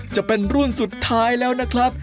จะเป็นรุ่นสุดท้ายแล้วนะครับ